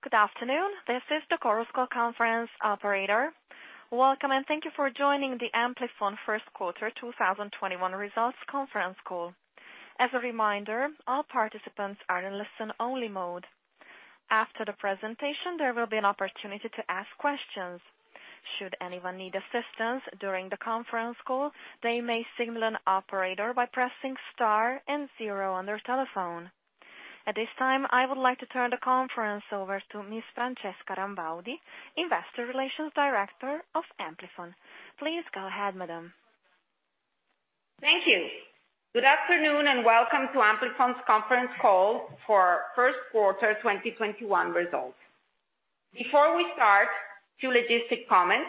Good afternoon. This is the Chorus Call conference operator. Welcome, and thank you for joining the Amplifon first quarter 2021 results conference call. As a reminder, all participants are in listen only mode. After the presentation, there will be an opportunity to ask questions. Should anyone need assistance during the conference call, they may signal an operator by pressing star and zero on their telephone. At this time, I would like to turn the conference over to Ms. Francesca Rambaudi, Investor Relations Director of Amplifon. Please go ahead, madam. Thank you. Good afternoon, and welcome to Amplifon's conference call for first quarter 2021 results. Before we start, two logistic comments.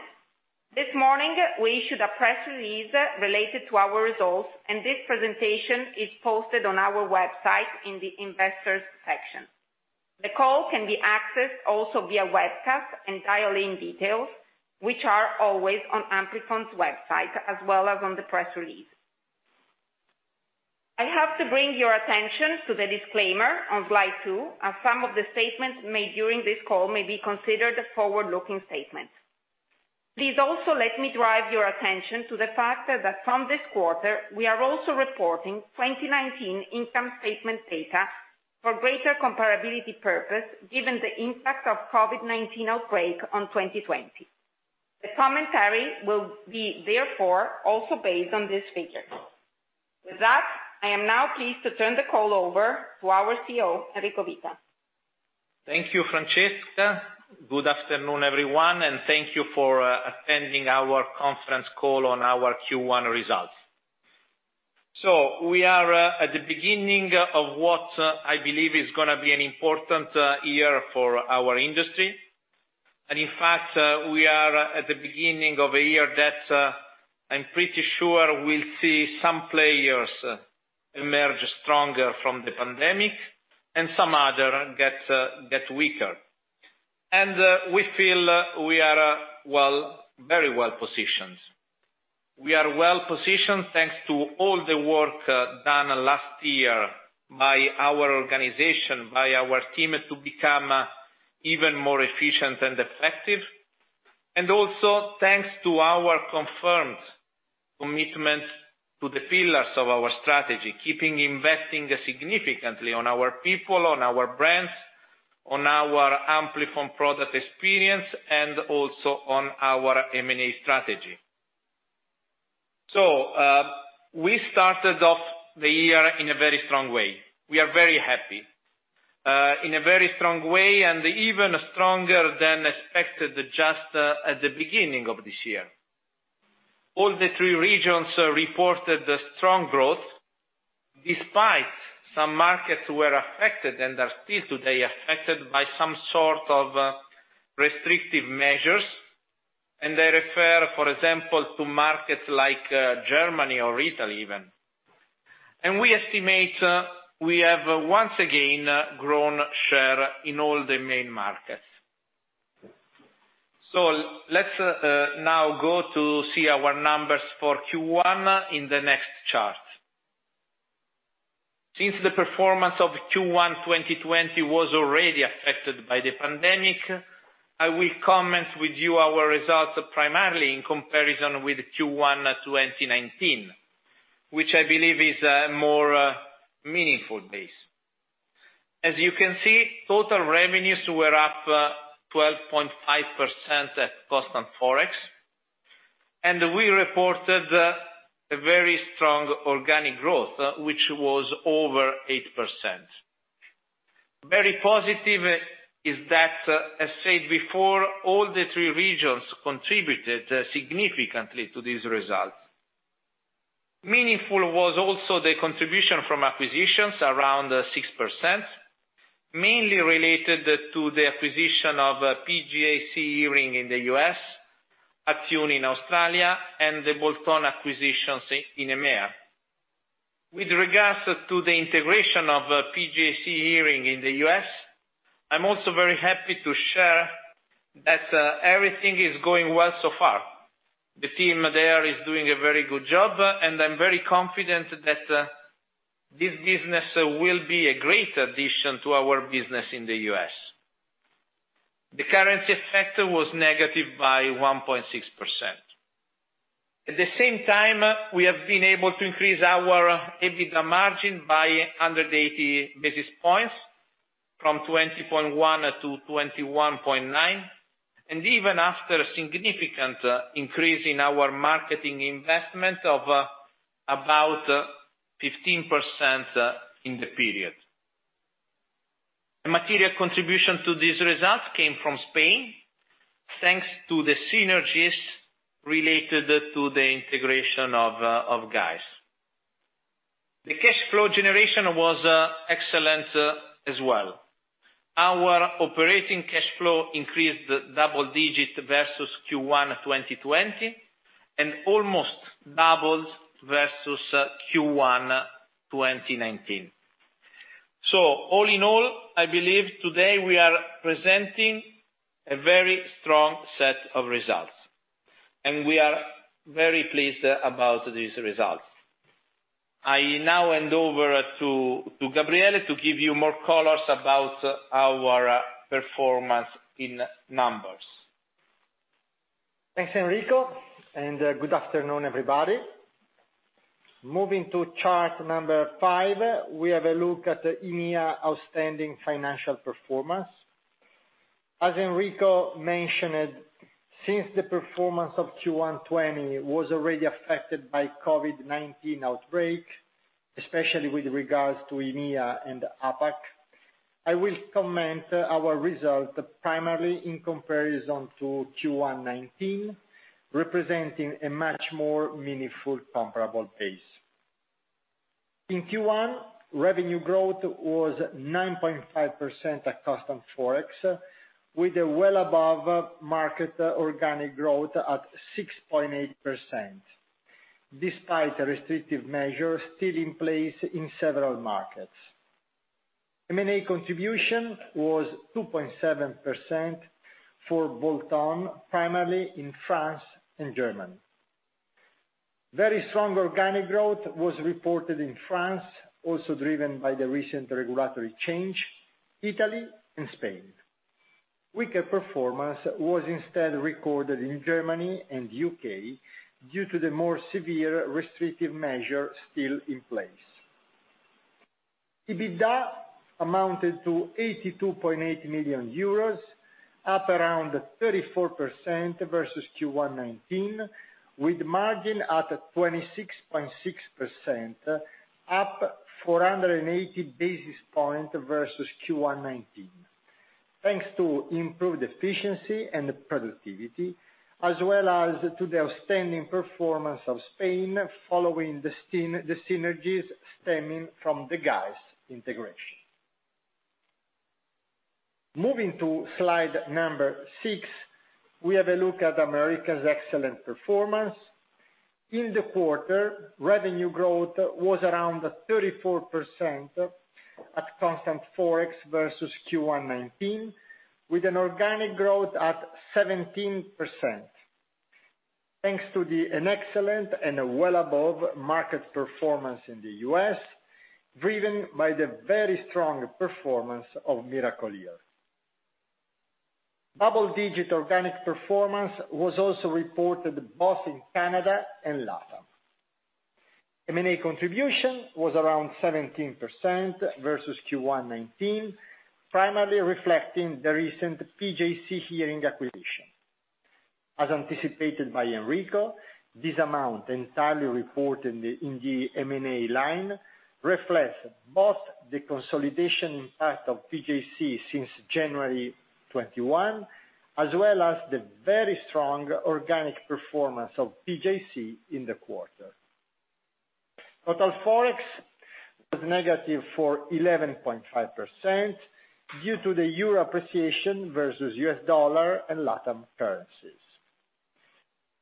This morning, we issued a press release related to our results, and this presentation is posted on our website in the investors section. The call can be accessed also via webcast and dial-in details, which are always on Amplifon's website, as well as on the press release. I have to bring your attention to the disclaimer on slide two, as some of the statements made during this call may be considered a forward-looking statement. Please also let me drive your attention to the fact that from this quarter, we are also reporting 2019 income statement data for greater comparability purpose, given the impact of COVID-19 outbreak on 2020. The commentary will be therefore also based on this figure. With that, I am now pleased to turn the call over to our CEO, Enrico Vita. Thank you, Francesca. Good afternoon, everyone, and thank you for attending our conference call on our Q1 results. We are at the beginning of what I believe is going to be an important year for our industry. In fact, we are at the beginning of a year that I'm pretty sure we'll see some players emerge stronger from the pandemic and some other get weaker. We feel we are very well positioned. We are well positioned thanks to all the work done last year by our organization, by our team to become even more efficient and effective. Also thanks to our confirmed commitment to the pillars of our strategy, keeping investing significantly on our people, on our brands, on our Amplifon Product Experience, and also on our M&A strategy. We started off the year in a very strong way. We are very happy. In a very strong way and even stronger than expected just at the beginning of this year. All the three regions reported a strong growth despite some markets were affected and are still today affected by some sort of restrictive measures. I refer, for example, to markets like Germany or Italy even. We estimate we have once again grown share in all the main markets. Let's now go to see our numbers for Q1 in the next chart. Since the performance of Q1 2020 was already affected by the pandemic, I will comment with you our results primarily in comparison with Q1 2019, which I believe is a more meaningful base. As you can see, total revenues were up 12.5% at constant ForEx, and we reported a very strong organic growth, which was over 8%. Very positive is that, as said before, all the three regions contributed significantly to these results. Meaningful was also the contribution from acquisitions around 6%, mainly related to the acquisition of PJC Hearing in the U.S., Attune in Australia, the bolt-on acquisitions in EMEA. With regards to the integration of PJC Hearing in the U.S., I'm also very happy to share that everything is going well so far. The team there is doing a very good job, I'm very confident that this business will be a great addition to our business in the U.S. The currency effect was negative by 1.6%. At the same time, we have been able to increase our EBITDA margin by 180 basis points from 20.1 to 21.9, even after significant increase in our marketing investment of about 15% in the period. The material contribution to these results came from Spain, thanks to the synergies related to the integration of GAES. The cash flow generation was excellent as well. Our operating cash flow increased double-digit versus Q1 2020 and almost doubled versus Q1 2019. All in all, I believe today we are presenting a very strong set of results, and we are very pleased about these results. I now hand over to Gabriele to give you more colors about our performance in numbers. Thanks, Enrico. Good afternoon, everybody. Moving to chart number five, we have a look at the EMEA outstanding financial performance. As Enrico mentioned, since the performance of Q1 2020 was already affected by COVID-19 outbreak, especially with regards to EMEA and APAC, I will comment our results primarily in comparison to Q1 2019, representing a much more meaningful comparable base. In Q1, revenue growth was 9.5% at constant ForEx, with a well above market organic growth at 6.8%, despite restrictive measures still in place in several markets. M&A contribution was 2.7% for bolt-on, primarily in France and Germany. Very strong organic growth was reported in France, also driven by the recent regulatory change, Italy and Spain. Weaker performance was instead recorded in Germany and U.K. due to the more severe restrictive measures still in place. EBITDA amounted to 82.8 million euros, up around 34% versus Q1 2019, with margin at 26.6%, up 480 basis points versus Q1 2019, thanks to improved efficiency and productivity, as well as to the outstanding performance of Spain following the synergies stemming from the GAES integration. Moving to slide number six, we have a look at America's excellent performance. In the quarter, revenue growth was around 34% at constant ForEx versus Q1 2019, with an organic growth at 17%, thanks to an excellent and a well above market performance in the U.S., driven by the very strong performance of Miracle-Ear. Double-digit organic performance was also reported both in Canada and LATAM. M&A contribution was around 17% versus Q1 2019, primarily reflecting the recent PJC Hearing acquisition. As anticipated by Enrico, this amount entirely reported in the M&A line reflects both the consolidation impact of PJC since January 2021, as well as the very strong organic performance of PJC in the quarter. Total ForEx was negative for 11.5% due to the EUR appreciation versus US dollar and LATAM currencies.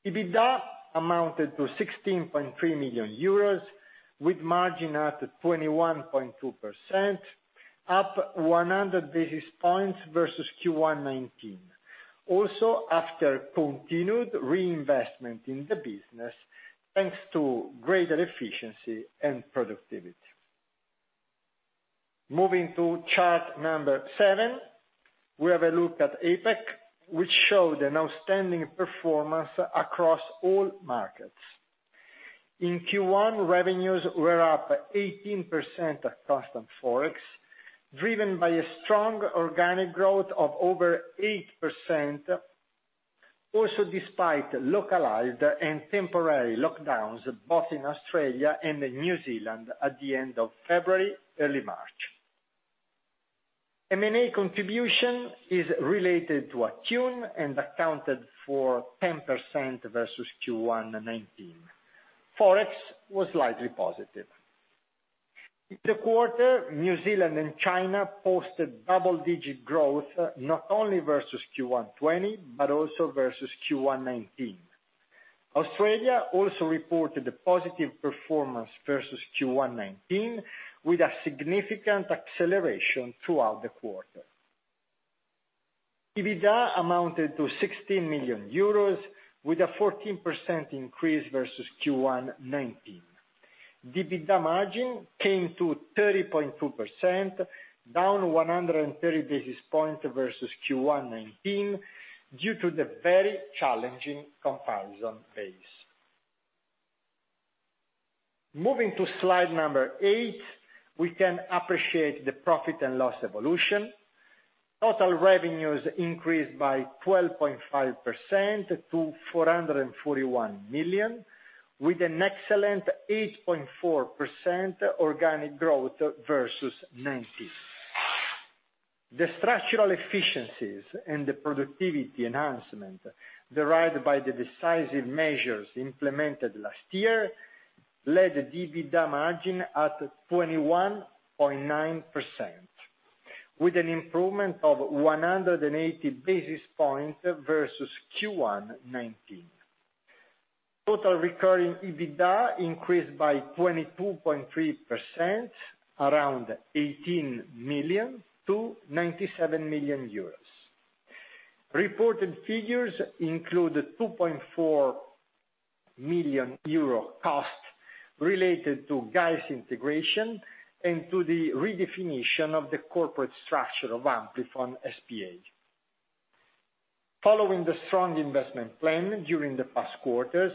EBITDA amounted to 16.3 million euros, with margin at 21.2%, up 100 basis points versus Q1 2019, also after continued reinvestment in the business, thanks to greater efficiency and productivity. Moving to chart number seven, we have a look at APAC, which showed an outstanding performance across all markets. In Q1, revenues were up 18% at constant ForEx, driven by a strong organic growth of over 8%, also despite localized and temporary lockdowns, both in Australia and in New Zealand at the end of February, early March. M&A contribution is related to Attune and accounted for 10% versus Q1 2019. ForEx was slightly positive. In the quarter, New Zealand and China posted double-digit growth not only versus Q1 2020 but also versus Q1 2019. Australia also reported a positive performance versus Q1 2019, with a significant acceleration throughout the quarter. EBITDA amounted to 16 million euros with a 14% increase versus Q1 2019. EBITDA margin came to 30.2%, down 130 basis points versus Q1 2019 due to the very challenging comparison base. Moving to slide number eight, we can appreciate the profit and loss evolution. Total revenues increased by 12.5% to 441 million, with an excellent 8.4% organic growth versus 2019. The structural efficiencies and the productivity enhancement derived by the decisive measures implemented last year led EBITDA margin at 21.9%, with an improvement of 180 basis points versus Q1 2019. Total recurring EBITDA increased by 22.3%, around 18 million to 97 million euros. Reported figures include a 2.4 million euro cost related to GAES integration and to the redefinition of the corporate structure of Amplifon S.p.A. Following the strong investment plan during the past quarters.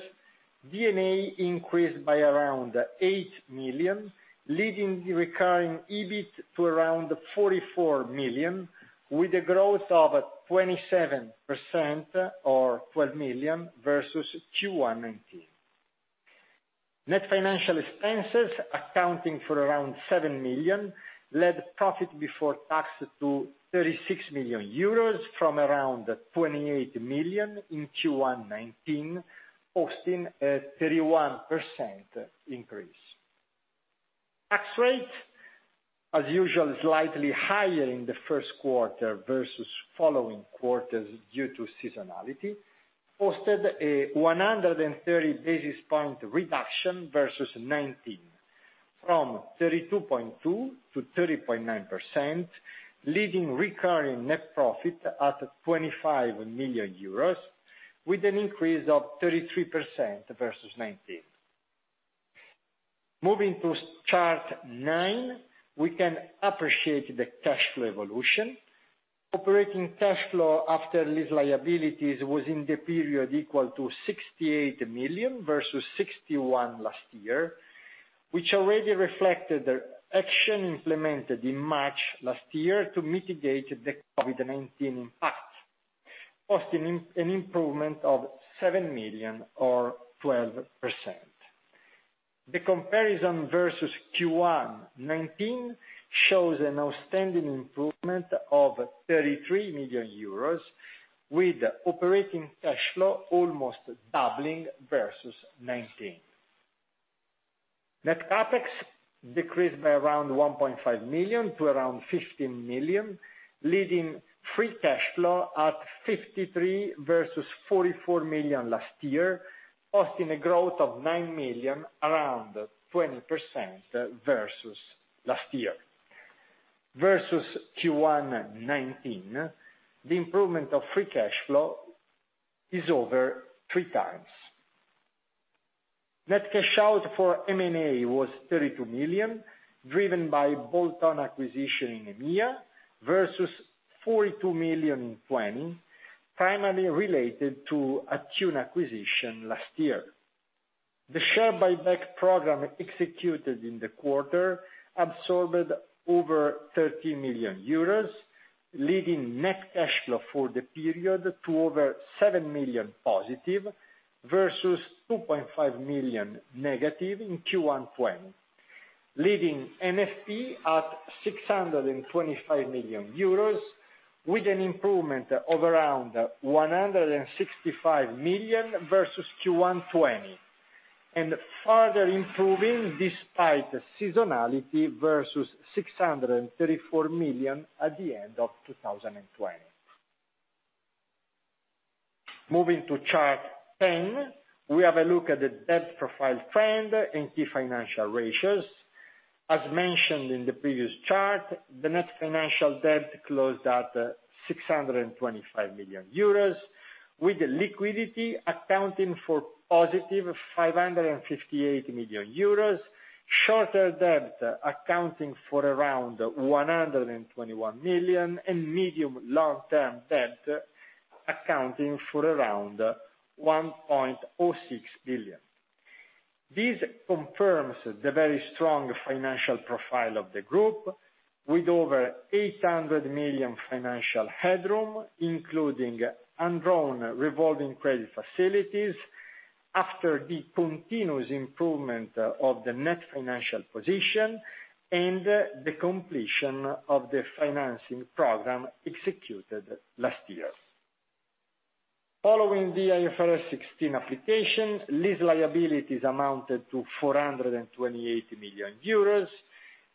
D&A increased by around 8 million, leading the recurring EBIT to around 44 million, with a growth of 27% or 12 million versus Q1 2019. Net financial expenses accounting for around 8 million led profit before tax to 36 million euros from around 28 million in Q1 2019, posting a 31% increase. Tax rate, as usual, slightly higher in the first quarter versus following quarters due to seasonality, posted a 130 basis point reduction versus 2019, from 32.2%-30.9%, leaving recurring net profit at 25 million euros, with an increase of 33% versus 2019. Moving to chart nine, we can appreciate the cash flow evolution. Operating cash flow after lease liabilities was in the period equal to 68 million versus 61 million last year, which already reflected the action implemented in March last year to mitigate the COVID-19 impact, posting an improvement of 7 million or 12%. The comparison versus Q1 2019 shows an outstanding improvement of 33 million euros with operating cash flow almost doubling versus 2019. Net CapEx decreased by around 1.5 million to around 15 million, leaving free cash flow at 53 million versus 44 million last year. Posting a growth of 9 million, around 20% versus last year. Versus Q1 2019, the improvement of free cash flow is over three times. Net cash out for M&A was 32 million, driven by bolt-on acquisition in EMEA versus 42 million in 2020, primarily related to Attune acquisition last year. The share buyback program executed in the quarter absorbed over 30 million euros, leaving net cash flow for the period to over 7 million positive versus -2.5 million in Q1 2020, leaving NFP at 625 million euros, with an improvement of around 165 million versus Q1 2020. Further improving despite seasonality versus 634 million at the end of 2020. Moving to chart 10, we have a look at the debt profile trend and key financial ratios. As mentioned in the previous chart, the net financial debt closed at 625 million euros, with the liquidity accounting for +558 million euros, shorter debt accounting for around 121 million, and medium long-term debt accounting for around 1.06 billion. This confirms the very strong financial profile of the group, with over 800 million financial headroom, including undrawn revolving credit facilities after the continuous improvement of the NFP and the completion of the financing program executed last year. Following the IFRS 16 application, lease liabilities amounted to 428 million euros,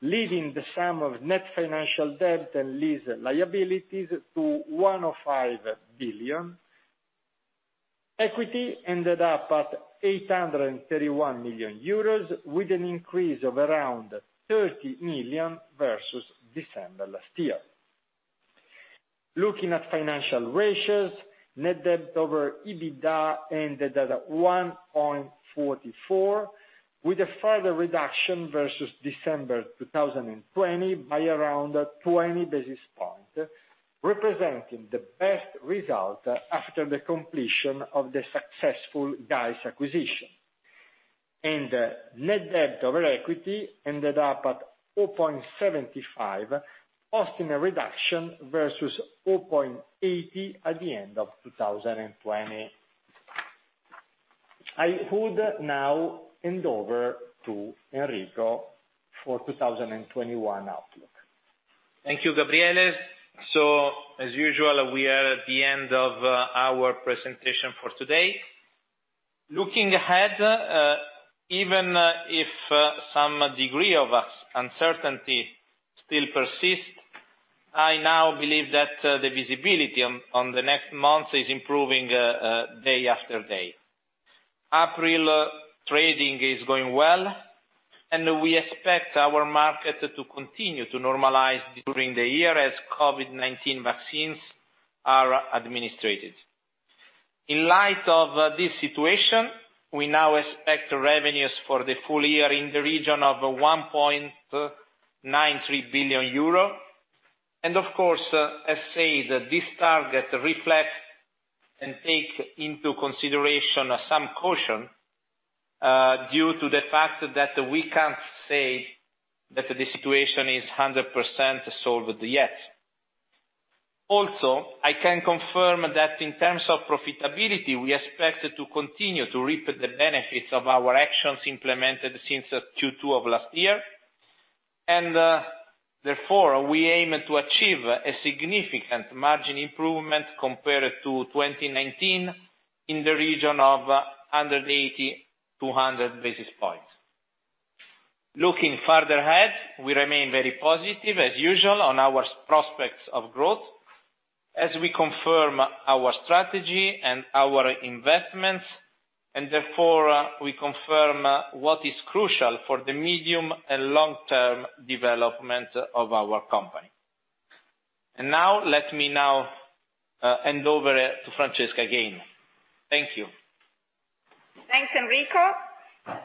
leaving the sum of NFP and lease liabilities to 1.05 billion. Equity ended up at 831 million euros, with an increase of around 30 million versus December last year. Looking at financial ratios, net debt over EBITDA ended at 1.44, with a further reduction versus December 2020 by around 20 basis points, representing the best result after the completion of the successful GAES acquisition. Net debt over equity ended up at 0.75, posting a reduction versus 0.80 at the end of 2020. I would now hand over to Enrico for 2021 outlook. Thank you, Gabriele. As usual, we are at the end of our presentation for today. Looking ahead, even if some degree of uncertainty still persists, I now believe that the visibility on the next month is improving day after day. April trading is going well. We expect our market to continue to normalize during the year as COVID-19 vaccines are administered. In light of this situation, we now expect revenues for the full year in the region of 1.93 billion euro. Of course, as said, this target reflects and takes into consideration some caution due to the fact that we can't say that the situation is 100% solved yet. I can confirm that in terms of profitability, we expect to continue to reap the benefits of our actions implemented since Q2 of last year. Therefore, we aim to achieve a significant margin improvement compared to 2019 in the region of 180, 200 basis points. Looking farther ahead, we remain very positive as usual on our prospects of growth as we confirm our strategy and our investments. Therefore, we confirm what is crucial for the medium and long-term development of our company. Now, let me now hand over to Francesca again. Thank you. Thanks, Enrico.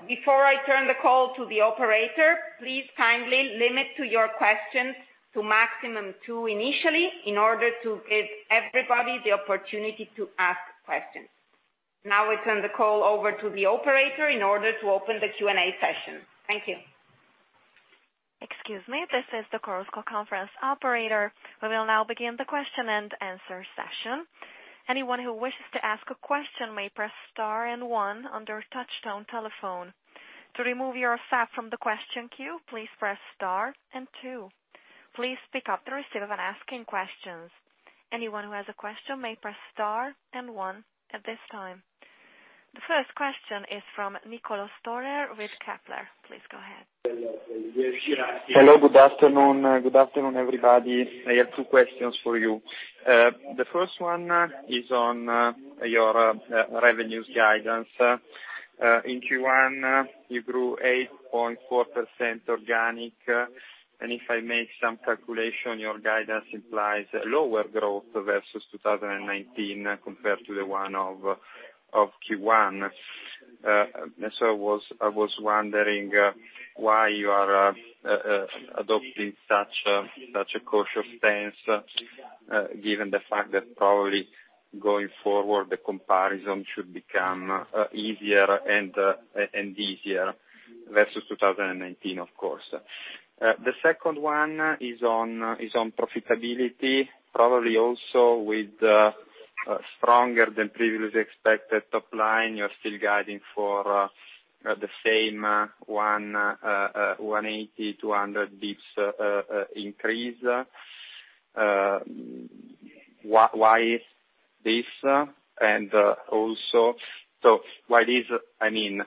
Before I turn the call to the operator, please kindly limit your questions to maximum two initially, in order to give everybody the opportunity to ask questions. Now I turn the call over to the operator in order to open the Q&A session. Thank you. The first question is from Niccolò Storer with Kepler. Please go ahead. Hello, good afternoon. Good afternoon, everybody. I have two questions for you. The first one is on your revenues guidance. In Q1, you grew 8.4% organic, and if I make some calculation, your guidance implies a lower growth versus 2019 compared to the one of Q1. I was wondering why you are adopting such a cautious stance, given the fact that probably going forward, the comparison should become easier and easier versus 2019, of course. The second one is on profitability, probably also with stronger than previously expected top line. You're still guiding for the same 180, 200 basis points increase. Why is this? I mean,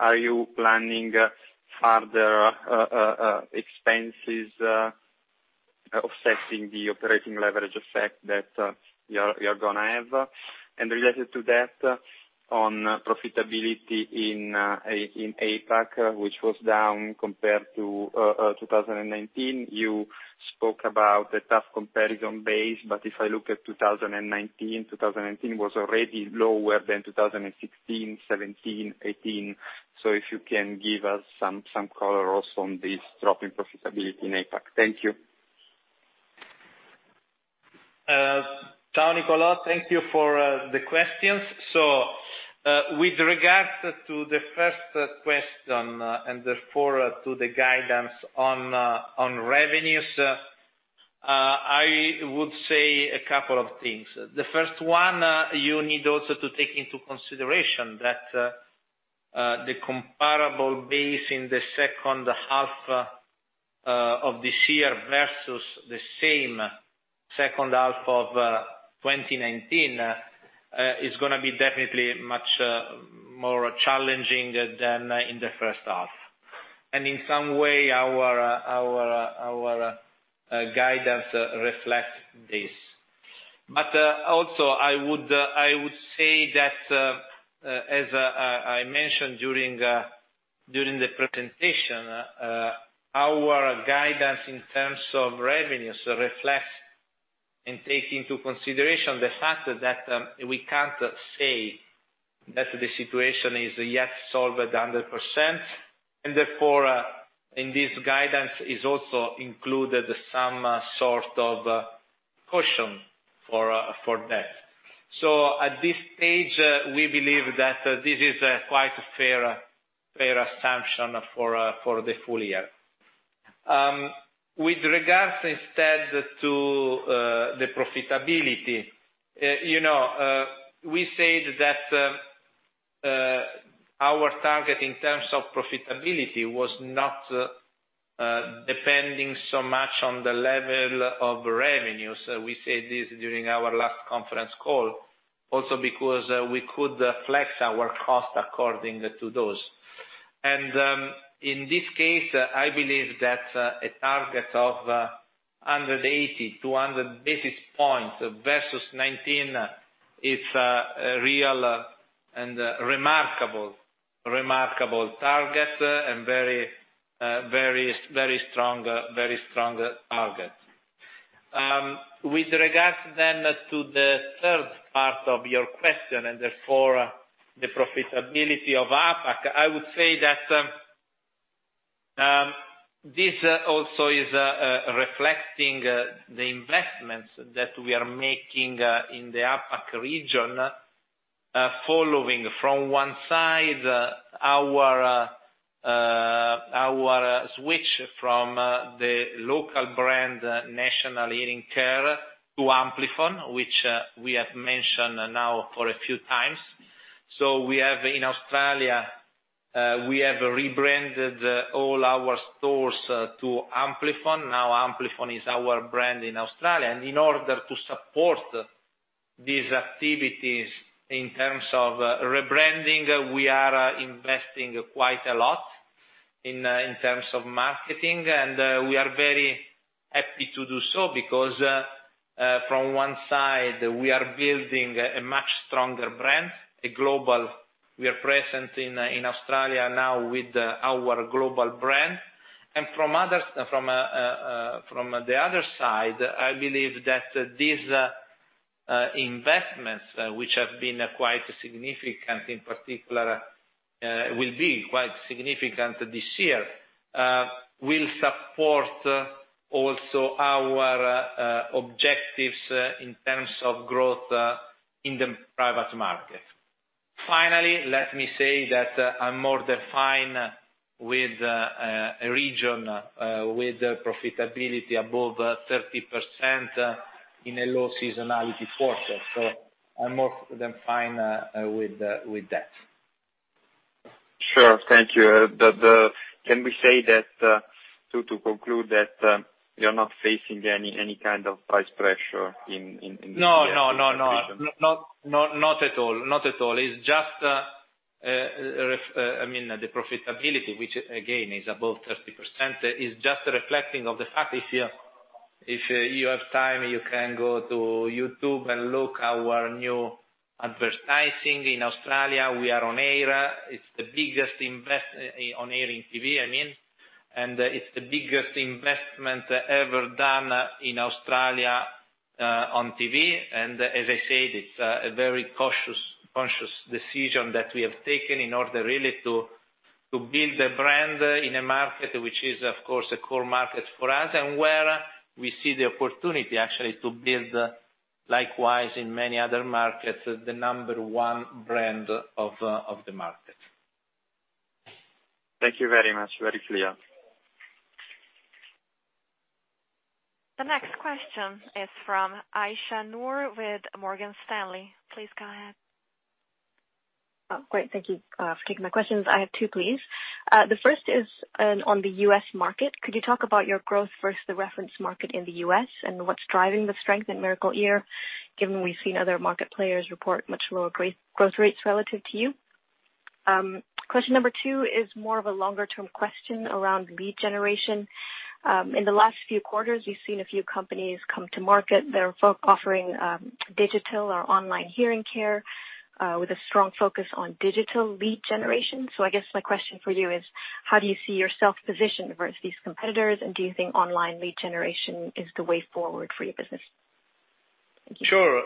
are you planning further expenses, offsetting the operating leverage effect that you're going to have? Related to that, on profitability in APAC, which was down compared to 2019, you spoke about the tough comparison base, but if I look at 2019 was already lower than 2016, 2017, 2018. If you can give us some color also on this drop in profitability in APAC. Thank you. Niccolò. Thank you for the questions. With regards to the first question, and therefore to the guidance on revenues, I would say a couple of things. The first one, you need also to take into consideration that the comparable base in the second half of this year versus the same second half of 2019, is going to be definitely much more challenging than in the first half. In some way, our guidance reflects this. Also I would say that, as I mentioned during the presentation, our guidance in terms of revenues reflects and takes into consideration the fact that we can't say that the situation is yet solved 100%. Therefore, in this guidance is also included some sort of caution for that. At this stage, we believe that this is quite a fair assumption for the full year. With regards instead to the profitability, we said that our target in terms of profitability was not depending so much on the level of revenues. We said this during our last conference call also because we could flex our cost according to those. In this case, I believe that a target of 180-200 basis points versus 19 is a real and remarkable target and very strong target. With regards then to the third part of your question, and therefore the profitability of APAC, I would say that this also is reflecting the investments that we are making in the APAC region, following from one side our switch from the local brand National Hearing Care to Amplifon, which we have mentioned now for a few times. In Australia we have rebranded all our stores to Amplifon. Amplifon is our brand in Australia. In order to support these activities in terms of rebranding, we are investing quite a lot in terms of marketing, and we are very happy to do so because from one side, we are building a much stronger brand, a global. We are present in Australia now with our global brand. From the other side, I believe that these investments, which have been quite significant in particular, will be quite significant this year, will support also our objectives in terms of growth in the private market. Finally, let me say that I'm more than fine with a region with profitability above 30% in a low seasonality quarter. I'm more than fine with that. Sure. Thank you. Can we say that, to conclude, that you're not facing any kind of price pressure in this region? No. Not at all. It's just the profitability, which again, is above 30%, is just reflecting of the fact, if you have time, you can go to YouTube and look our new advertising in Australia. We are on air. It's the biggest investment on air, in TV, I mean, it's the biggest investment ever done in Australia on TV. As I said, it's a very conscious decision that we have taken in order really to build a brand in a market, which is, of course, a core market for us, and where we see the opportunity actually to build likewise in many other markets, the number one brand of the market. Thank you very much. Very clear. The next question is from Aisyah Noor with Morgan Stanley. Please go ahead. Oh, great. Thank you for taking my questions. I have two, please. The first is on the U.S. market. Could you talk about your growth versus the reference market in the U.S. and what's driving the strength in Miracle-Ear, given we've seen other market players report much lower growth rates relative to you? Question number two is more of a longer term question around lead generation. In the last few quarters, we've seen a few companies come to market that are offering digital or online hearing care with a strong focus on digital lead generation. I guess my question for you is, how do you see yourself positioned versus these competitors, and do you think online lead generation is the way forward for your business? Thank you. Sure.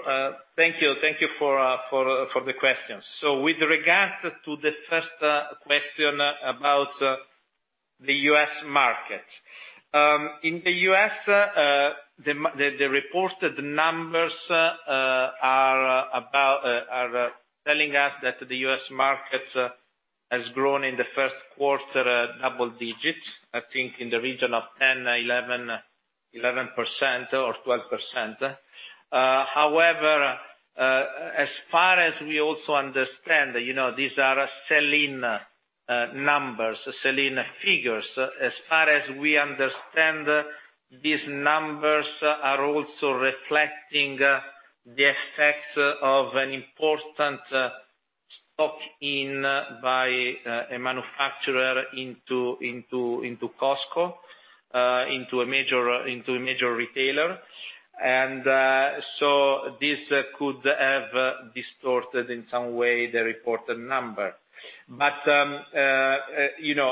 Thank you for the questions. With regards to the first question about the U.S. market. In the U.S., the reported numbers are telling us that the U.S. market has grown in the first quarter, double digits, I think in the region of 10%, 11% or 12%. However, as far as we also understand, these are selling numbers, selling figures. As far as we understand, these numbers are also reflecting the effects of an important stock in by a manufacturer into Costco, into a major retailer. This could have distorted, in some way, the reported number.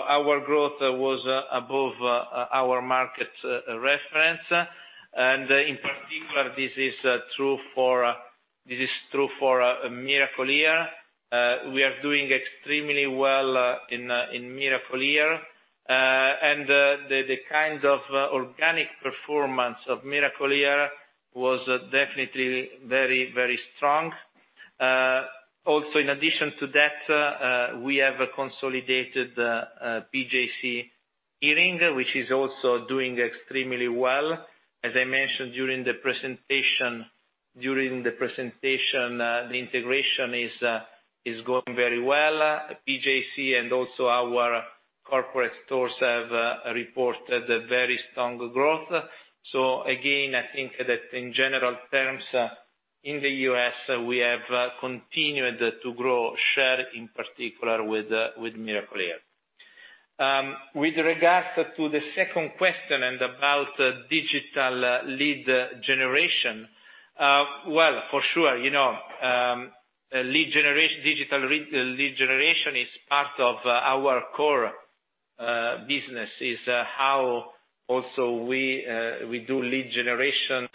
Our growth was above our market reference. In particular, this is true for Miracle-Ear. We are doing extremely well in Miracle-Ear. The kind of organic performance of Miracle-Ear was definitely very strong. Also in addition to that, we have consolidated PJC Hearing, which is also doing extremely well. As I mentioned during the presentation, the integration is going very well. PJC and also our corporate stores reported a very strong growth. Again, I think that in general terms, in the U.S., we have continued to grow share in particular with Miracle-Ear. With regards to the second question and about digital lead generation, well, for sure, digital lead generation is part of our core business, is how also we do lead generation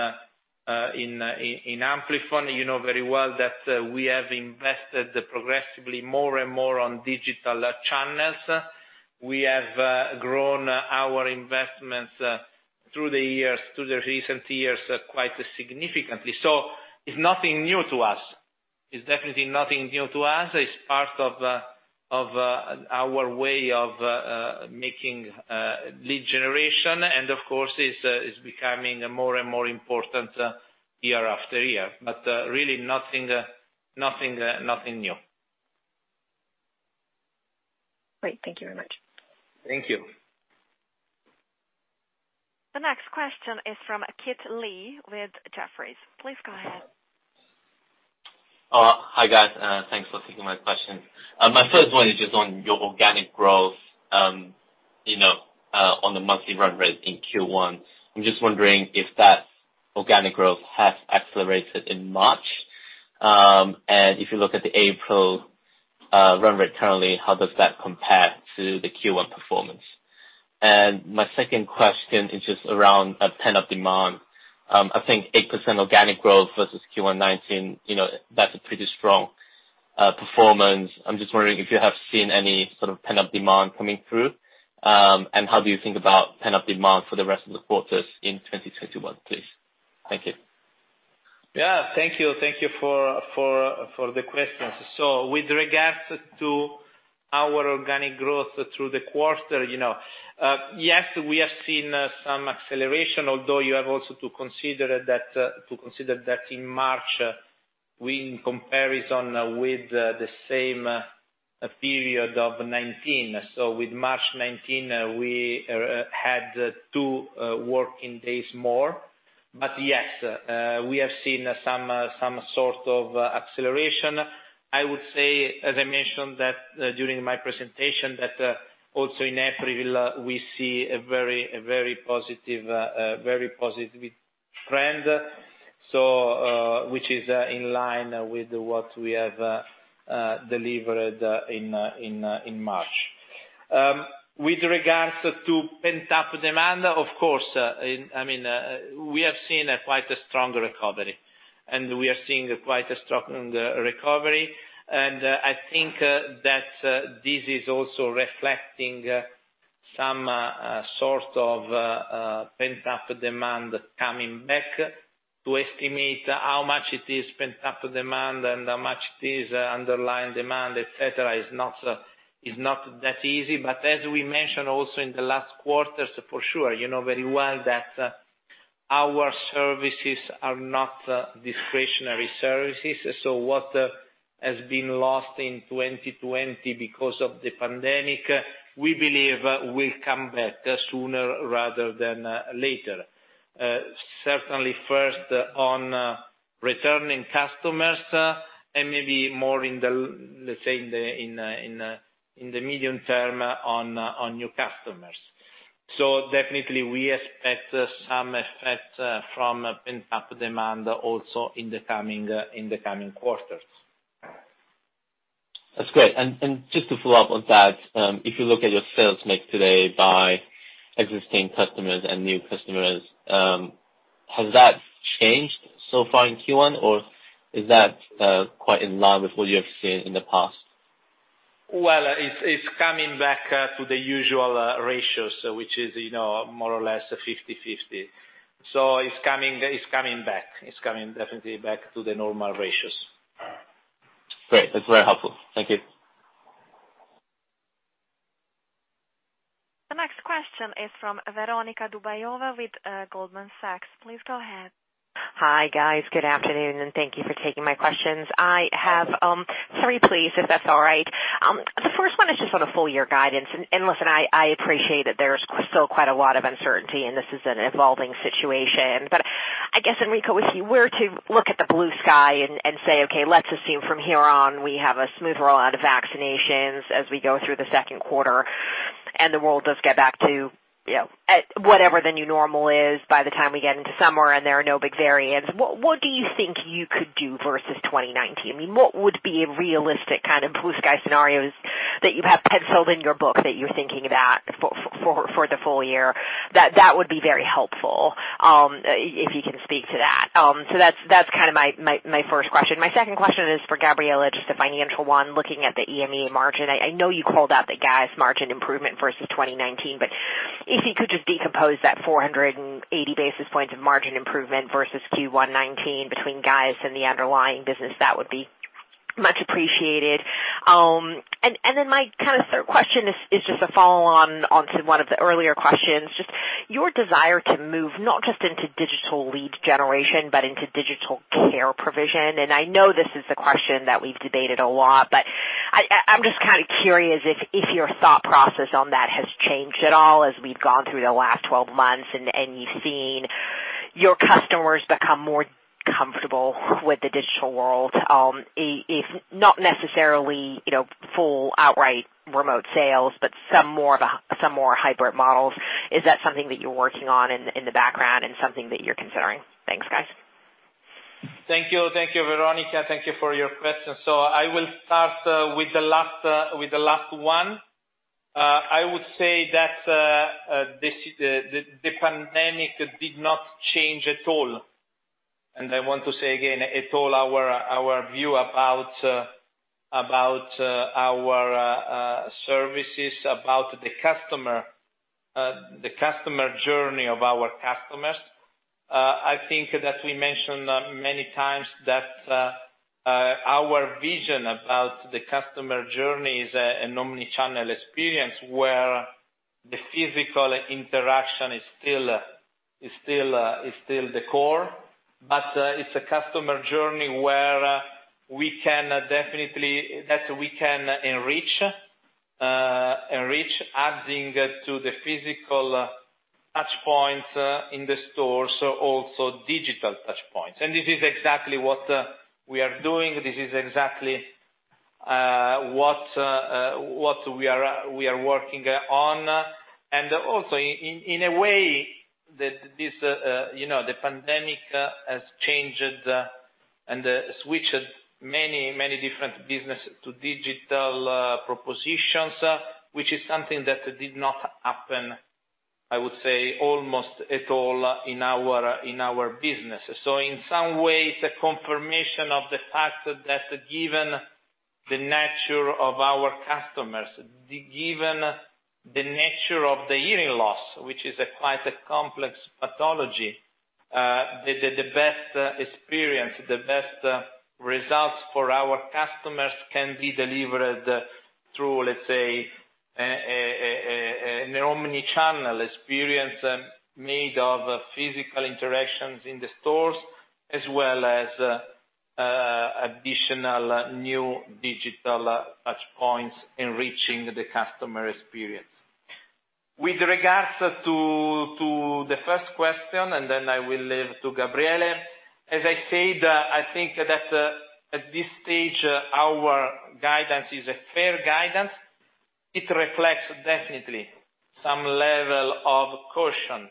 in Amplifon. You know very well that we have invested progressively more and more on digital channels. We have grown our investments through the recent years quite significantly. It's nothing new to us. It's part of our way of making lead generation and, of course, is becoming more and more important year after year. Really nothing new. Great. Thank you very much. Thank you. The next question is from Kit Lee with Jefferies. Please go ahead. Hi, guys. Thanks for taking my questions. My first one is just on your organic growth on the monthly run rate in Q1. I'm just wondering if that organic growth has accelerated in March. If you look at the April run rate currently, how does that compare to the Q1 performance? My second question is just around pent-up demand. I think 8% organic growth versus Q1 2019, that's a pretty strong performance. I'm just wondering if you have seen any sort of pent-up demand coming through. How do you think about pent-up demand for the rest of the quarters in 2021, please? Thank you. Yeah. Thank you for the questions. With regards to our organic growth through the quarter, yes, we have seen some acceleration, although you have also to consider that in March, we, in comparison with the same period of 2019. With March 2019, we had two working days more. Yes, we have seen some sort of acceleration. I would say, as I mentioned during my presentation, that also in April, we see a very positive trend, which is in line with what we have delivered in March. With regards to pent-up demand, of course, we have seen quite a strong recovery. I think that this is also reflecting some sort of pent-up demand coming back. To estimate how much it is pent-up demand and how much it is underlying demand, etc., is not that easy. As we mentioned also in the last quarters, for sure, you know very well that our services are not discretionary services. What has been lost in 2020 because of the pandemic, we believe will come back sooner rather than later. Certainly first on returning customers, and maybe more in the medium term on new customers. Definitely we expect some effect from pent-up demand also in the coming quarters. That's great. Just to follow up on that, if you look at your sales mix today by existing customers and new customers, has that changed so far in Q1, or is that quite in line with what you have seen in the past? Well, it's coming back to the usual ratios, which is more or less 50/50. It's coming definitely back to the normal ratios. Great. That's very helpful. Thank you. The next question is from Veronika Dubajova with Goldman Sachs. Please go ahead. Hi, guys. Good afternoon, and thank you for taking my questions. I have three, please, if that's all right. The first one is just on the full year guidance. Listen, I appreciate that there's still quite a lot of uncertainty, and this is an evolving situation. I guess, Enrico, if you were to look at the blue sky and say, okay, let's assume from here on, we have a smooth rollout of vaccinations as we go through the second quarter, and the world does get back to whatever the new normal is by the time we get into summer, and there are no big variants, what do you think you could do versus 2019? What would be a realistic kind of blue sky scenarios that you have penciled in your book that you're thinking about for the full year? That would be very helpful, if you can speak to that. That's kind of my first question. My second question is for Gabriele, just a financial one, looking at the EMEA margin. I know you called out the GAES margin improvement versus 2019. If you could just decompose that 480 basis points of margin improvement versus Q1 2019 between GAES and the underlying business, that would be much appreciated. My kind of third question is just a follow-on onto one of the earlier questions, just your desire to move, not just into digital lead generation, but into digital care provision. I know this is a question that we've debated a lot. I'm just kind of curious if your thought process on that has changed at all as we've gone through the last 12 months and you've seen your customers become more comfortable with the digital world, if not necessarily full outright remote sales, but some more hybrid models? Is that something that you're working on in the background and something that you're considering? Thanks, guys. Thank you, Veronika. Thank you for your question. I will start with the last one. I would say that the pandemic did not change at all. I want to say again, at all our view about our services, about the customer journey of our customers. I think that we mentioned many times that our vision about the customer journey is an omnichannel experience, where the physical interaction is still the core. It's a customer journey that we can enrich, adding to the physical touch points in the store, so also digital touch points. This is exactly what we are doing. This is exactly what we are working on. Also, in a way, the pandemic has changed and switched many different businesses to digital propositions, which is something that did not happen, I would say, almost at all in our business. In some ways, a confirmation of the fact that given the nature of our customers, given the nature of the hearing loss, which is quite a complex pathology, the best experience, the best results for our customers can be delivered through, let's say, an omnichannel experience made of physical interactions in the stores, as well as additional new digital touchpoints enriching the customer experience. With regards to the first question, and then I will leave to Gabriele. As I said, I think that at this stage, our guidance is a fair guidance. It reflects definitely some level of caution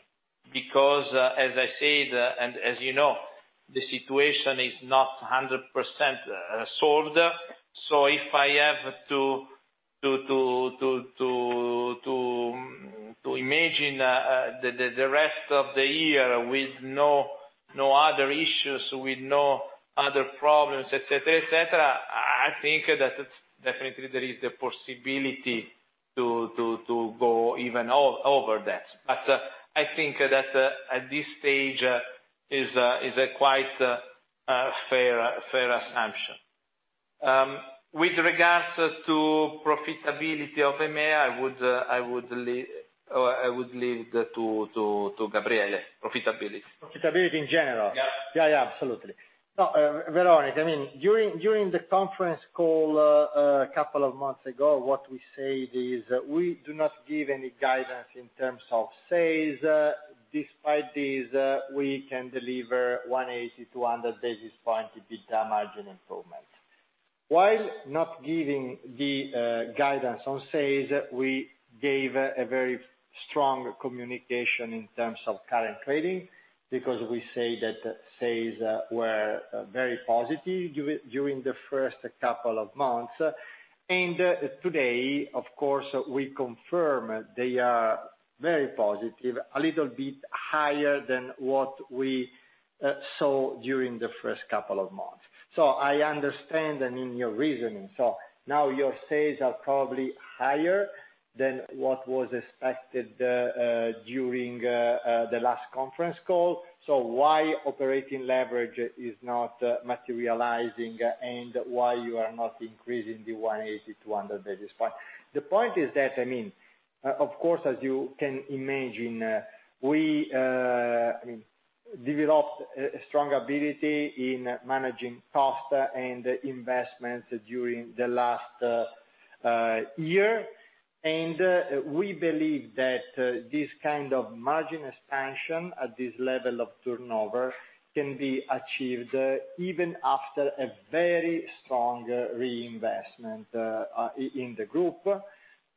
because as I said, and as you know, the situation is not 100% solved. If I have to imagine the rest of the year with no other issues, with no other problems, et cetera. I think that definitely there is the possibility to go even over that. I think that at this stage is a quite fair assumption. With regards to profitability of EMEA, I would leave to Gabriele. Profitability in general? Yeah. Yeah, absolutely. Veronika, during the conference call a couple of months ago, what we said is we do not give any guidance in terms of sales. Despite this, we can deliver 180-200 basis points EBITDA margin improvement. While not giving the guidance on sales, we gave a very strong communication in terms of current trading, because we say that sales were very positive during the first couple of months. Today, of course, we confirm they are very positive, a little bit higher than what we saw during the first couple of months. I understand and in your reasoning. Now your sales are probably higher than what was expected during the last conference call. Why operating leverage is not materializing, and why you are not increasing the 180-200 basis points? The point is that, of course, as you can imagine, we developed a strong ability in managing cost and investments during the last year. We believe that this kind of margin expansion at this level of turnover can be achieved even after a very strong reinvestment in the group.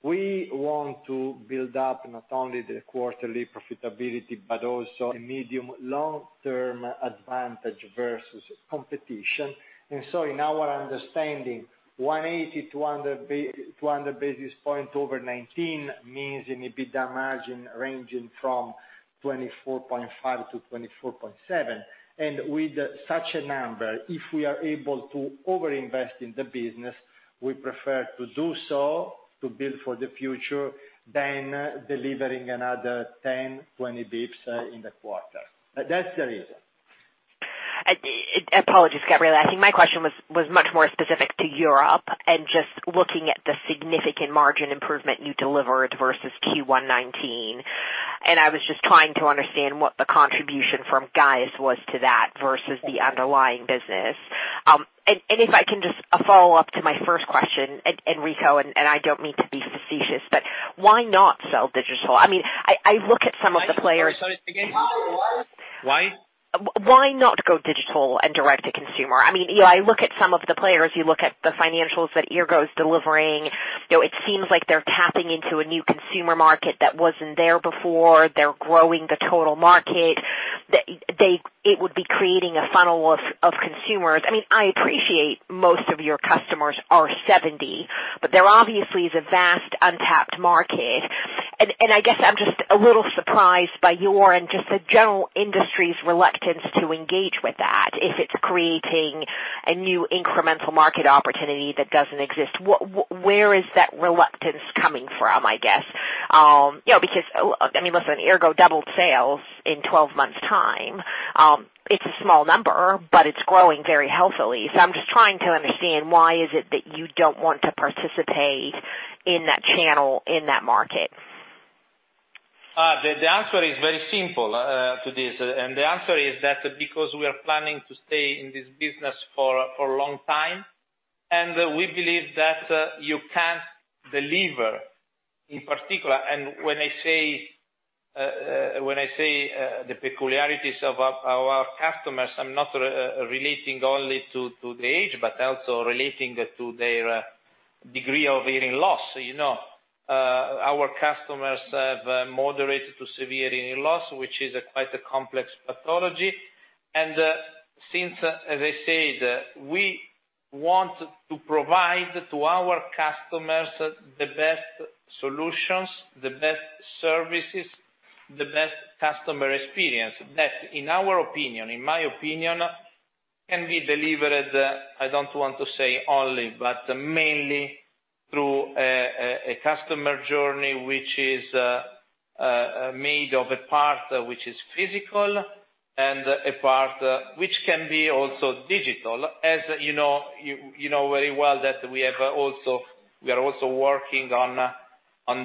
We want to build up not only the quarterly profitability, but also a medium long term advantage versus competition. In our understanding, 180-200 basis points over 2019 means an EBITDA margin ranging from 24.5%-24.7%. With such a number, if we are able to over-invest in the business, we prefer to do so to build for the future than delivering another 10-20 basis points in the quarter. That's the reason. Apologies, Gabriele. I think my question was much more specific to Europe and just looking at the significant margin improvement you delivered versus Q1 2019. I was just trying to understand what the contribution from GAES was to that versus the underlying business. If I can just follow up to my first question, Enrico, and I don't mean to be facetious, but why not sell digital? Sorry, say it again. Why? Why not go digital and direct to consumer? I look at some of the players, you look at the financials that Eargo's delivering. It seems like they're tapping into a new consumer market that wasn't there before. They're growing the total market. It would be creating a funnel of consumers. I appreciate most of your customers are 70, but there obviously is a vast untapped market. I guess I'm just a little surprised by your, and just the general industry's reluctance to engage with that if it's creating a new incremental market opportunity that doesn't exist. Where is that reluctance coming from, I guess? Listen, Eargo doubled sales in 12 months time. It's a small number, but it's growing very healthily. I'm just trying to understand why is it that you don't want to participate in that channel, in that market? The answer is very simple to this. The answer is that because we are planning to stay in this business for a long time, and we believe that you can't deliver in particular. When I say the peculiarities of our customers, I'm not relating only to the age, but also relating to their degree of hearing loss. Our customers have moderate to severe hearing loss, which is quite a complex pathology. Since, as I said, we want to provide to our customers the best solutions, the best services, the best customer experience that in our opinion, in my opinion, can be delivered. I don't want to say only, but mainly through a customer journey, which is made of a part which is physical and a part which can be also digital. As you know very well that we are also working on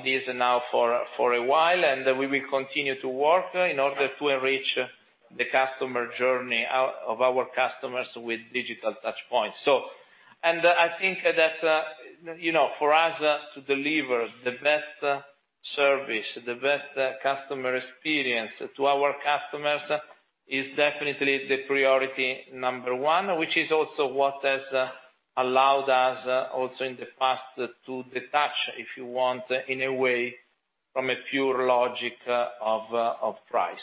this now for a while, and we will continue to work in order to enrich the customer journey of our customers with digital touch points. I think that for us to deliver the best service, the best customer experience to our customers is definitely the priority number one, which is also what has allowed us also in the past to detach, if you want, in a way, from a pure logic of price.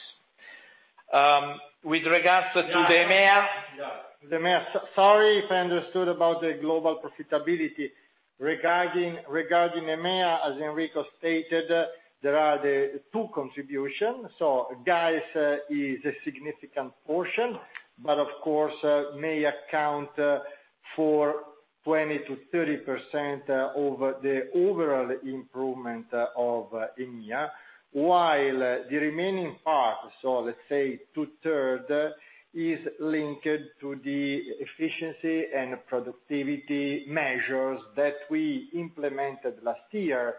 With regards to the EMEA. Sorry if I understood about the global profitability. Regarding EMEA, as Enrico stated, there are the two contributions. GAES is a significant portion, but of course, may account for 20%-30% over the overall improvement of EMEA. The remaining part, so let's say two-third, is linked to the efficiency and productivity measures that we implemented last year.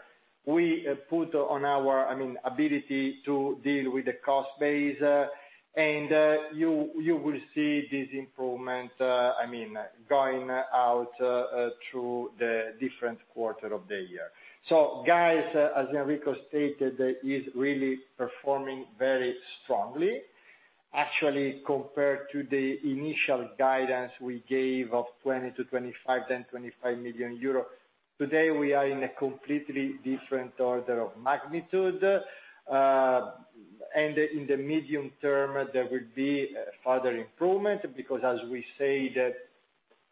We put on our ability to deal with the cost base. You will see this improvement going out through the different quarter of the year. GAES, as Enrico stated, is really performing very strongly. Compared to the initial guidance we gave of 20 million to 25 million, then 25 million euro. Today, we are in a completely different order of magnitude. In the medium term, there will be further improvement because as we said,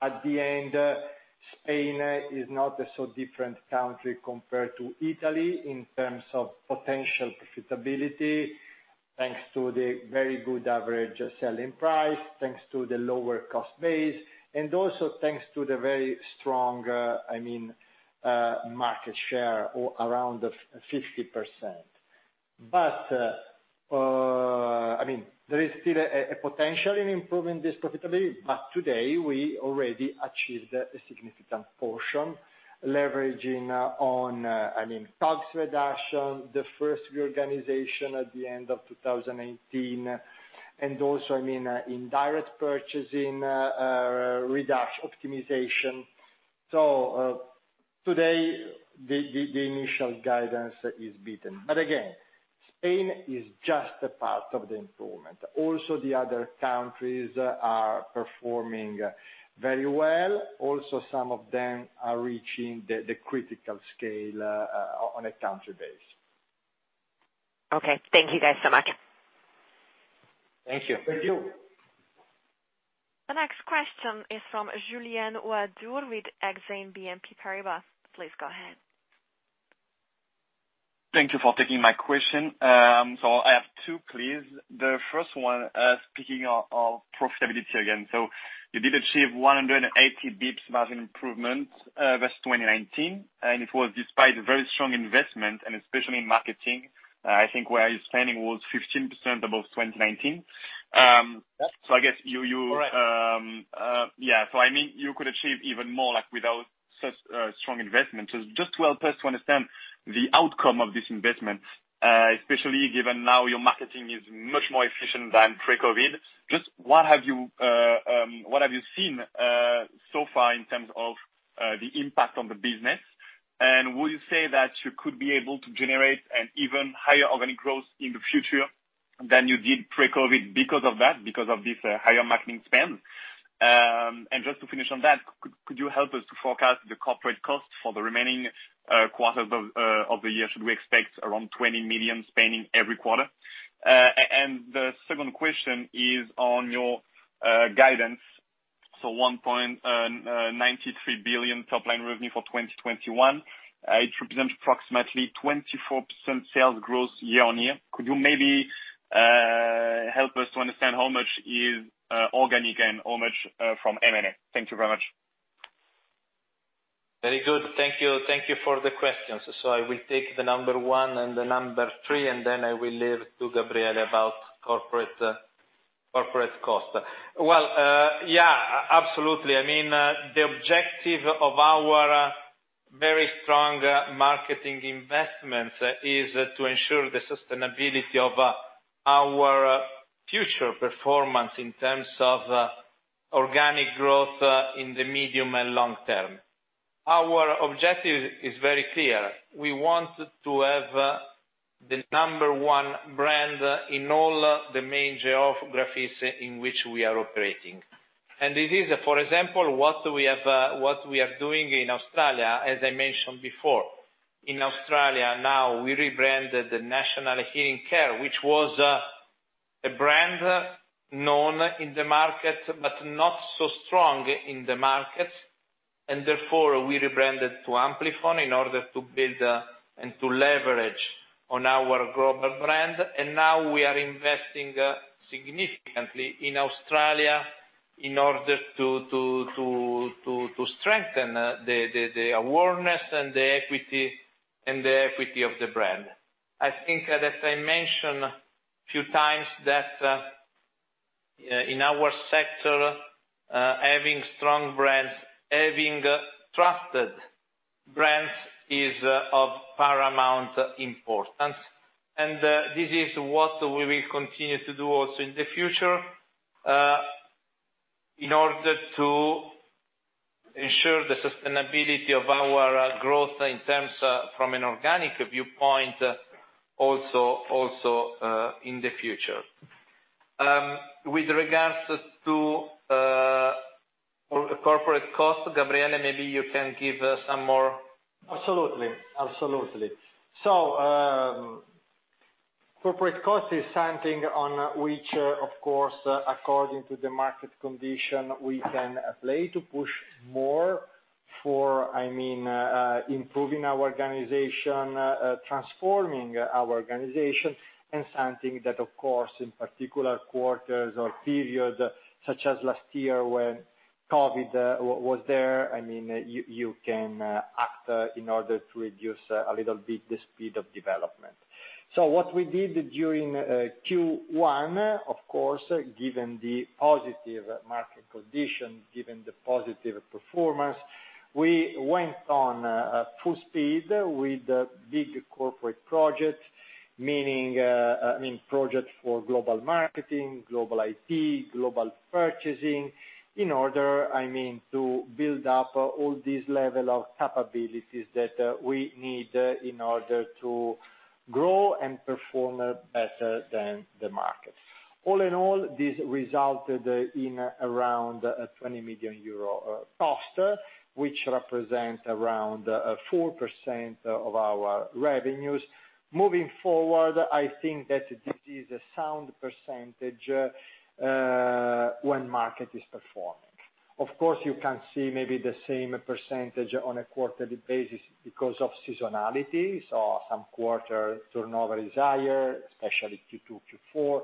at the end, Spain is not a so different country compared to Italy in terms of potential profitability, thanks to the very good average selling price, thanks to the lower cost base, and also thanks to the very strong market share, around 50%. There is still a potential in improving this profitability. Today, we already achieved a significant portion, leveraging on COGS reduction, the first reorganization at the end of 2018, and also in direct purchasing optimization. Today, the initial guidance is beaten. Again, Spain is just a part of the improvement. The other countries are performing very well. Some of them are reaching the critical scale on a country base. Okay. Thank you guys so much. Thank you. Thank you. The next question is from Julien Ouaddour with Exane BNP Paribas. Please go ahead. Thank you for taking my question. I have two, please. The first one, speaking of profitability again. You did achieve 180 basis points margin improvement versus 2019, and it was despite very strong investment and especially in marketing, I think where your spending was 15% above 2019. Correct. Yeah. You could achieve even more without such strong investment. Just to help us to understand the outcome of this investment, especially given now your marketing is much more efficient than pre-COVID. Just what have you seen so far in terms of the impact on the business, and would you say that you could be able to generate an even higher organic growth in the future than you did pre-COVID because of that, because of this higher marketing spend? Just to finish on that, could you help us to forecast the corporate cost for the remaining quarters of the year? Should we expect around 20 million spending every quarter? The second question is on your guidance. 1.93 billion top line revenue for 2021. It represents approximately 24% sales growth year-on-year. Could you maybe help us to understand how much is organic and how much from M&A? Thank you very much. Very good. Thank you for the questions. I will take the number one and the number three, and then I will leave to Gabriele about corporate cost. Yeah, absolutely. The objective of our very strong marketing investments is to ensure the sustainability of our future performance in terms of organic growth in the medium and long term. Our objective is very clear. We want to have the number one brand in all the main geographies in which we are operating. This is, for example, what we are doing in Australia, as I mentioned before. In Australia now, we rebranded the National Hearing Care, which was a brand known in the market, but not so strong in the market, and therefore we rebranded to Amplifon in order to build and to leverage on our global brand. Now we are investing significantly in Australia in order to strengthen the awareness and the equity of the brand. I think that I mentioned a few times that in our sector, having strong brands, having trusted brands, is of paramount importance. This is what we will continue to do also in the future, in order to ensure the sustainability of our growth in terms from an organic viewpoint, also in the future. With regards to corporate cost, Gabriele, maybe you can give some more. Absolutely. Corporate cost is something on which, of course, according to the market condition, we can play to push more for improving our organization, transforming our organization, and something that of course, in particular quarters or periods such as last year when COVID-19 was there, you can act in order to reduce a little bit the speed of development. What we did during Q1, of course, given the positive market condition, given the positive performance. We went on full speed with big corporate projects, meaning projects for global marketing, global IT, global purchasing, in order to build up all these level of capabilities that we need in order to grow and perform better than the market. All in all, this resulted in around a 20 million euro cost, which represents around 4% of our revenues. Moving forward, I think that this is a sound percentage when market is performing. Of course, you can see maybe the same percentage on a quarterly basis because of seasonality. Some quarter turnover is higher, especially Q2, Q4.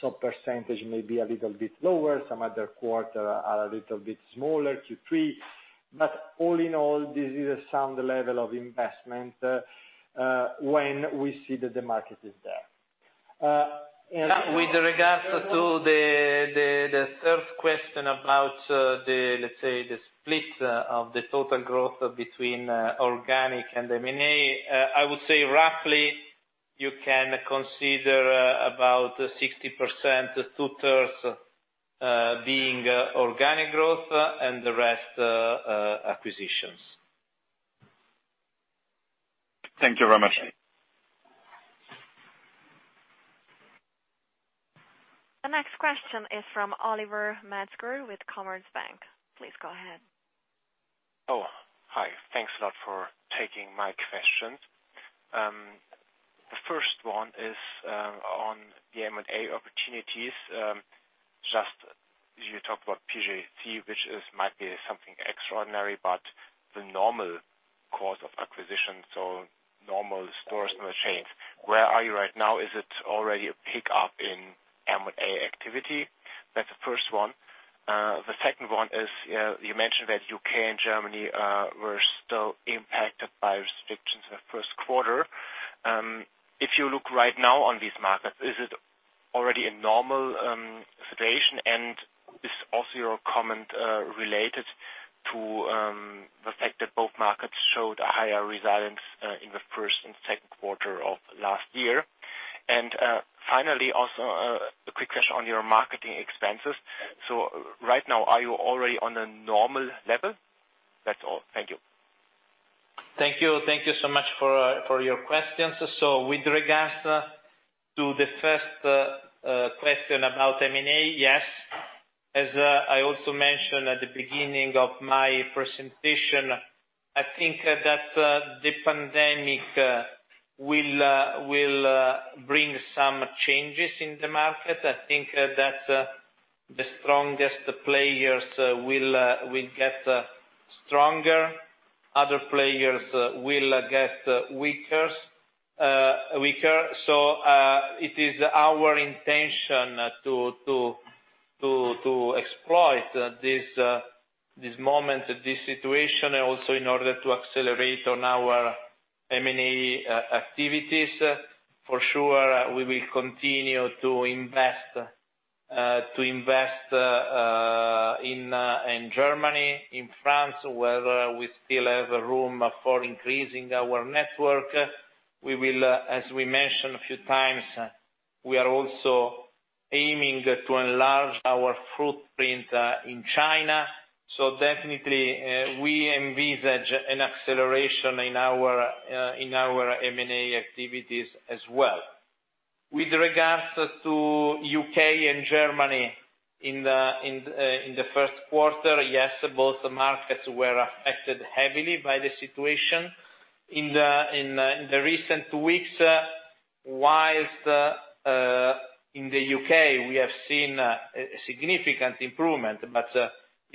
Some percentage may be a little bit lower. Some other quarter are a little bit smaller, Q3. All in all, this is a sound level of investment when we see that the market is there. With regards to the third question about the, let's say, the split of the total growth between organic and M&A, I would say roughly you can consider about 60%, two-thirds being organic growth and the rest acquisitions. Thank you very much. The next question is from Oliver Metzger with Commerzbank. Please go ahead. Hi. Thanks a lot for taking my questions. The first one is on the M&A opportunities. Just as you talked about PJC, which might be something extraordinary, but the normal course of acquisition, so normal stores in the chains, where are you right now? Is it already a pick-up in M&A activity? That's the first one. The second one is, you mentioned that U.K. and Germany were still impacted by restrictions in the first quarter. If you look right now on these markets, is it already a normal situation and is also your comment related to the fact that both markets showed a higher resilience in the first and second quarter of last year? Finally, also a quick question on your marketing expenses. Right now, are you already on a normal level? That's all. Thank you. Thank you so much for your questions. With regards to the first question about M&A, yes. As I also mentioned at the beginning of my presentation, I think that the pandemic will bring some changes in the market. I think that the strongest players will get stronger. Other players will get weaker. It is our intention to exploit this moment, this situation, and also in order to accelerate on our M&A activities. For sure, we will continue to invest in Germany, in France, where we still have room for increasing our network. As we mentioned a few times, we are also aiming to enlarge our footprint in China. Definitely, we envisage an acceleration in our M&A activities as well. With regards to U.K. and Germany in the first quarter, yes, both markets were affected heavily by the situation. In the recent weeks, whilst in the U.K. we have seen a significant improvement,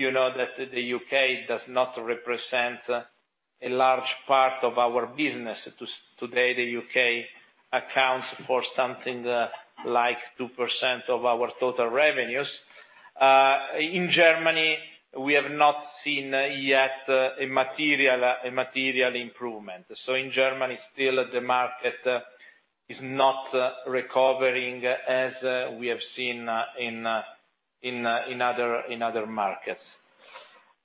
you know that the U.K. does not represent a large part of our business. Today, the U.K. accounts for something like 2% of our total revenues. In Germany, we have not seen yet a material improvement. In Germany, still the market is not recovering as we have seen in other markets.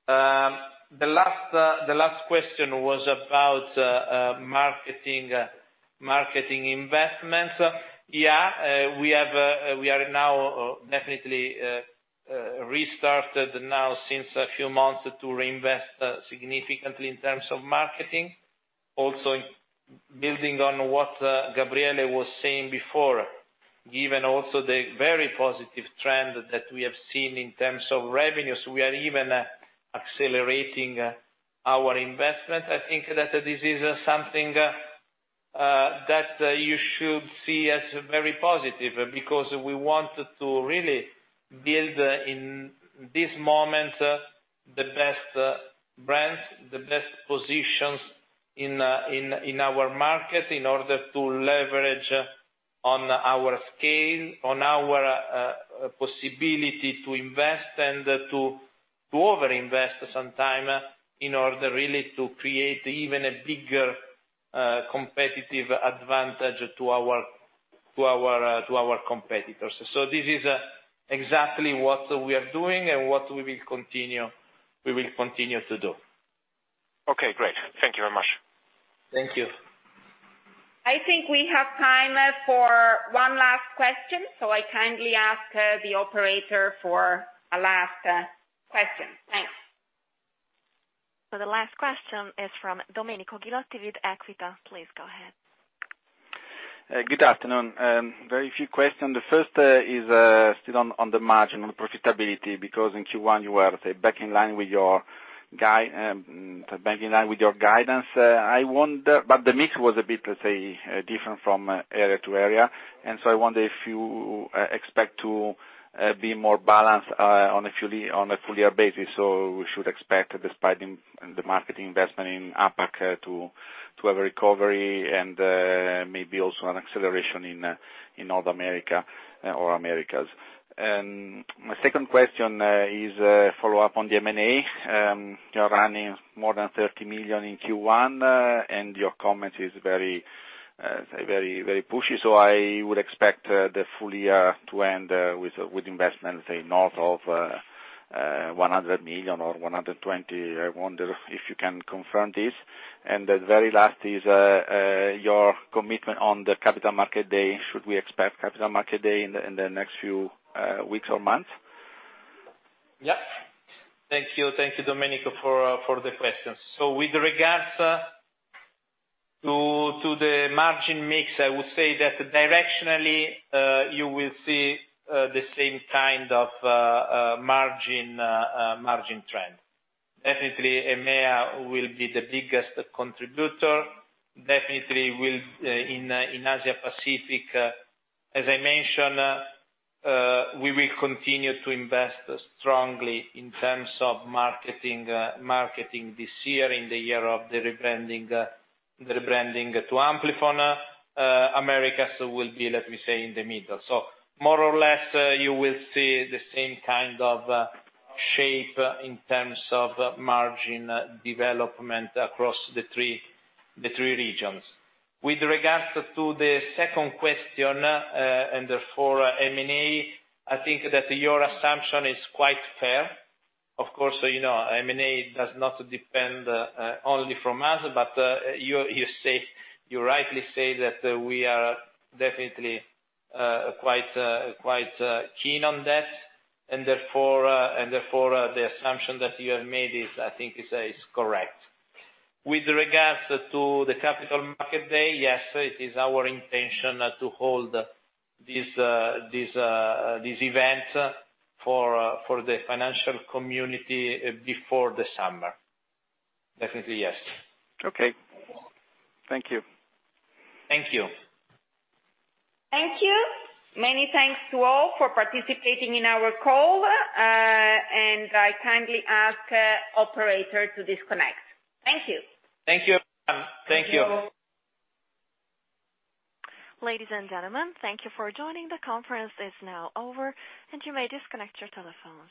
The last question was about marketing investments. Yeah, we are now definitely restarted now since a few months to reinvest significantly in terms of marketing. Also, building on what Gabriele was saying before, given also the very positive trend that we have seen in terms of revenues, we are even accelerating our investment. I think that this is something that you should see as very positive, because we want to really build, in this moment, the best brands, the best positions in our market in order to leverage on our scale, on our possibility to invest and to overinvest sometimes in order really to create even a bigger competitive advantage to our competitors. This is exactly what we are doing and what we will continue to do. Okay, great. Thank you very much. Thank you. I think we have time for one last question. I kindly ask the operator for a last question. Thanks. The last question is from Domenico Ghilotti with Equita. Please go ahead. Good afternoon. Very few questions. The first is still on the margin, on profitability, because in Q1, you were back in line with your guidance. The mix was a bit, let's say, different from area to area. I wonder if you expect to be more balanced on a full year basis, so we should expect despite the marketing investment in APAC to have a recovery and maybe also an acceleration in North America or Americas. My second question is a follow-up on the M&A. You're running more than 30 million in Q1, and your comment is very pushy. I would expect the full year to end with investment, say, north of 100 million or 120 million. I wonder if you can confirm this. The very last is your commitment on the Capital Markets Day. Should we expect Capital Markets Day in the next few weeks or months? Yeah. Thank you. Thank you, Domenico, for the questions. With regards to the margin mix, I would say that directionally, you will see the same kind of margin trend. Definitely, EMEA will be the biggest contributor. Definitely in Asia Pacific, as I mentioned, we will continue to invest strongly in terms of marketing this year, in the year of the rebranding to Amplifon. Americas will be, let me say, in the middle. More or less, you will see the same kind of shape in terms of margin development across the three regions. With regards to the second question, and therefore M&A, I think that your assumption is quite fair. Of course, you know, M&A does not depend only from us, but you rightly say that we are definitely quite keen on that, and therefore the assumption that you have made is, I think is correct. With regards to the Capital Markets Day, yes, it is our intention to hold this event for the financial community before the summer. Definitely, yes. Okay. Thank you. Thank you. Thank you. Many thanks to all for participating in our call, and I kindly ask operator to disconnect. Thank you. Thank you. Thank you. Thank you. Ladies and gentlemen, thank you for joining. The conference is now over, and you may disconnect your telephones.